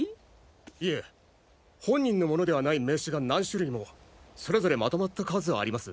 いえ本人のものではない名刺が何種類もそれぞれまとまった数あります。